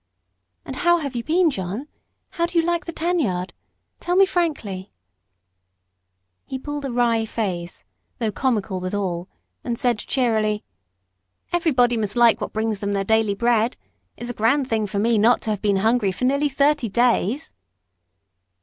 "And how have you been, John? How do you like the tan yard? Tell me frankly." He pulled a wry face, though comical withal, and said, cheerily, "Everybody must like what brings them their daily bread. It's a grand thing for me not to have been hungry for nearly thirty days."